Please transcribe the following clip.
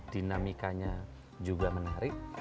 dinamikanya juga menarik